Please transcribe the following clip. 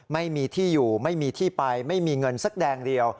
ไม่มีที่อยู่ไม่มีที่ไปไม่มีเงินสักแดงเดียว